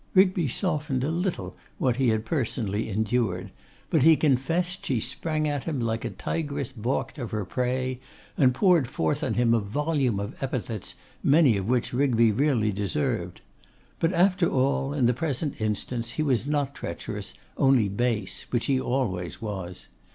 Rigby softened a little what he had personally endured; but he confessed she sprang at him like a tigress balked of her prey, and poured forth on him a volume of epithets, many of which Rigby really deserved. But after all, in the present instance, he was not treacherous, only base, which he always was.